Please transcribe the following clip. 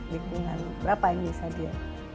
lingkungan berapa yang bisa dia